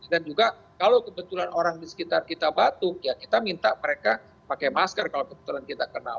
dan juga kalau kebetulan orang di sekitar kita batuk ya kita minta mereka pakai masker kalau kebetulan kita kenal